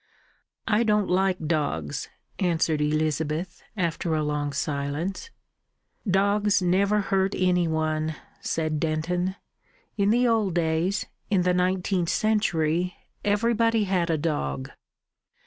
"I don't like dogs," answered Elizabeth, after a long silence. "Dogs never hurt any one," said Denton. "In the old days in the nineteenth century everybody had a dog."